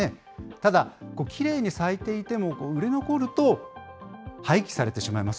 ただ、きれいに咲いていても売れ残ると、廃棄されてしまいます。